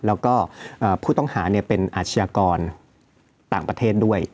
แล้วก็ผู้ต้องหาเป็นอาชญากรต่างประเทศด้วย